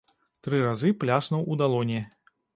Тры разы пляснуў у далоні.